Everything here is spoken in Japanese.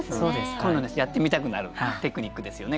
こういうのやってみたくなるテクニックですよね